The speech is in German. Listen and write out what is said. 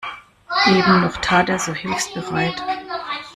Eben noch tat er so hilfsbereit.